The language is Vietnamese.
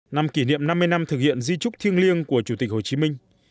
năm kỷ niệm năm mươi năm thực hiện di trúc thiêng liêng của chủ tịch hồ chí minh